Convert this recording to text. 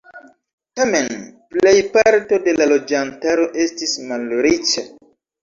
Tamen, plejparto de la loĝantaro estis malriĉa.